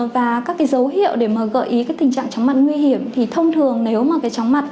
và các cái dấu hiệu để mà gợi ý cái tình trạng chóng mặt nguy hiểm thì thông thường nếu mà cái chóng mặt